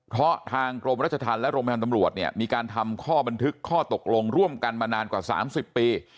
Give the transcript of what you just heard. เพราะทางกรมรัชธรรมและโรงพยาบาลตำรวจเนี่ยมีการทำข้อบันทึกข้อตกลงร่วมกันมานานกว่า๓๐ปี